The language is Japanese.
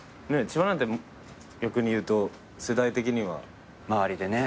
千葉なんて逆にいうと世代的には。周りでね。